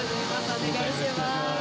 お願いします。